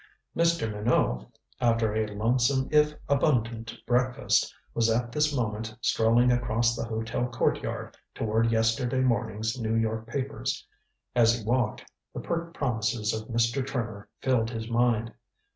Mr. Minot, after a lonesome if abundant breakfast, was at this moment strolling across the hotel courtyard toward yesterday morning's New York papers. As he walked, the pert promises of Mr. Trimmer filled his mind.